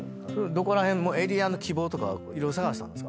どこら辺エリアの希望とか色々探したんですか？